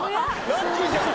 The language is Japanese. ラッキーじゃん！